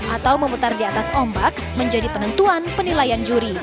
atau memutar di atas ombak menjadi penentuan penilaian juri